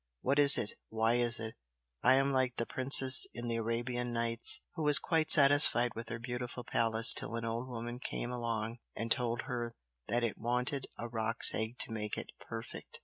What is it? Why is it? I am like the princess in the 'Arabian Nights' who was quite satisfied with her beautiful palace till an old woman came along and told her that it wanted a roc's egg to make it perfect.